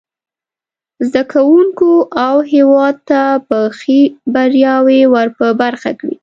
زده کوونکو او هیواد ته به ښې بریاوې ور په برخه کړي.